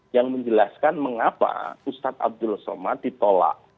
yang menjelaskan mengapa ustadz abdul somad ditolak